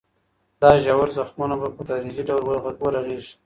دا ژور زخمونه به په تدریجي ډول ورغېږي.